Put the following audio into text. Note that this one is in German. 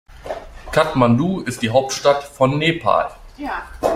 Kathmandu ist die Hauptstadt von Nepal.